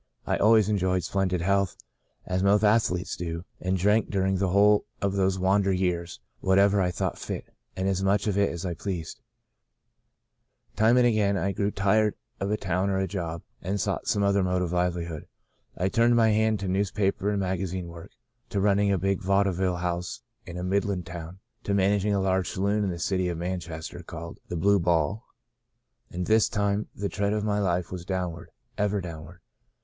I always enjoyed splendid health, as most athletes do, and drank during the whole of those wander years whatever I thought fit, and as much of it as I pleased. Time and time again, I grew tired of a town or a job, The Second Spring 175 and sought some other mode of livelihood. I turned my hand to newspaper and maga zine work, to running a big vaudeville house in a Midland town, to managing a large sa loon in the city of Manchester, called *The Blue Ball.' All this time the trend of my life was downward — ever downward.